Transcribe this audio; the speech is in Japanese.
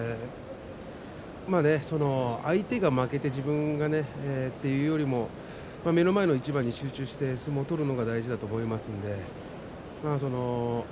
相手が負けて自分がっていうよりも目の前の一番に集中して相撲を取るのが大事だと思います。